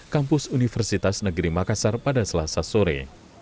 kampus universitas negeri makassar pada selasa sore